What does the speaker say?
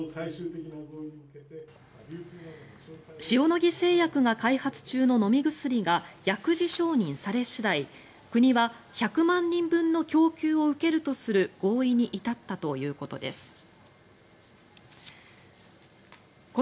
塩野義製薬が開発中の飲み薬が薬事承認され次第国は１００万人分の供給を受けるとする合意に至ったということです。